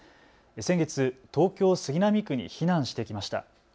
先月、東京杉並区に避難してきました。